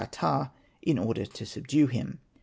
ptah, in order to subdue him.